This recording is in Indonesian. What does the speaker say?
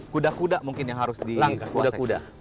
kuda kuda mungkin yang harus dikuasai